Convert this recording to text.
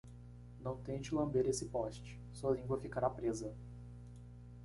Não tente lamber esse poste? sua língua ficará presa!